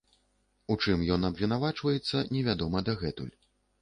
У чым ён абвінавачваецца, невядома дагэтуль.